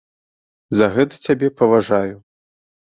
За гэта цябе паважаю.